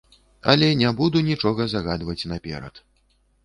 Але не буду нічога загадаваць наперад.